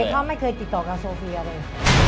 เขาไม่เคยติดต่อกับโซเฟียเลย